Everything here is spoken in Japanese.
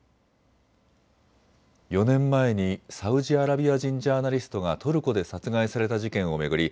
４年前にサウジアラビア人ジャーナリストがトルコで殺害された事件を巡り